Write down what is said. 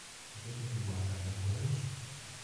Pote tu reguardar le pueros?